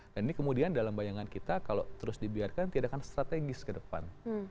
dan ini kemudian dalam bayangan kita kalau terus dibiarkan tidak akan strategis ke depan